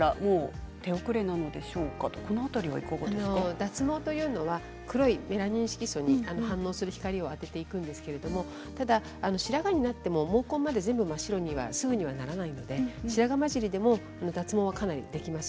脱毛というのは黒いメラニン色素にレーザーを当てていくんですけれど白髪になっても毛根までは真っ白にはすぐにはならないので白髪混じりでも脱毛はできます。